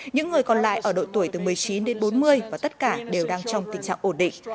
những người còn lại ở độ tuổi từ một mươi chín đến bốn mươi và tất cả đều đang trong tình trạng ổn định